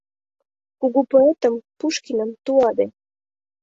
Кугу поэтым — Пушкиным — туаде